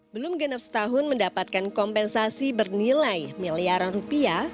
belum genap setahun mendapatkan kompensasi bernilai miliaran rupiah